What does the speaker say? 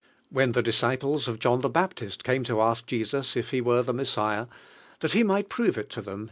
When the disciples of John the Baptist came to ask Jesus if ne were the Mes siah, Hint lie might prove it to them.